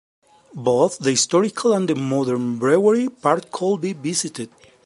Both the historical and the modern brewery part could be visited.